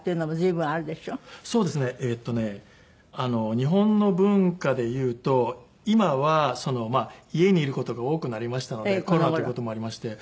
日本の文化で言うと今は家にいる事が多くなりましたのでコロナっていう事もありまして。